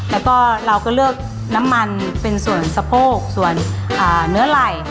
แล้วก็เราก็เลือกน้ำมันเป็นส่วนสะโพกส่วนเนื้อไหล่